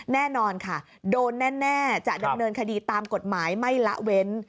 แน่นอนค่ะโดนแน่จะดำเนินคดีตามกฎหมายไม่ละเว้น